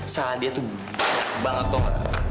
salah dia tuh banyak banget dong